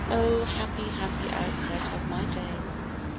Oh, happy, happy outset of my days!